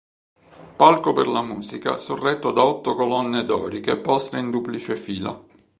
Palco per la musica sorretto da otto colonne doriche poste in duplice fila.